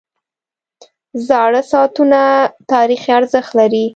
• زاړه ساعتونه تاریخي ارزښت لري.